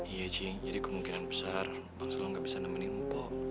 iya cing jadi kemungkinan besar bang sulam gak bisa nemenin mpok